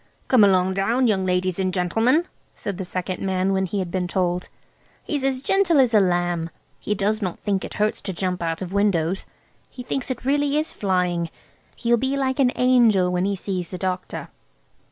"Come along down, young ladies and gentlemen," said the second man when he had been told. "He's as gentle as a lamb. He does not think it hurts to jump out of windows. He thinks it really is flying. He'll be like an angel when he sees the doctor."